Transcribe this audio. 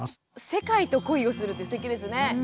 世界と恋をするってすてきですね。